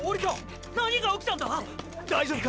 大丈夫か？